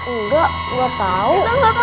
enggak gak tau